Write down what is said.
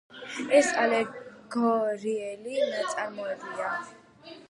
ეს ალეგორიული ნაწარმოებია.